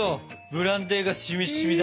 ブランデーがしみしみだ。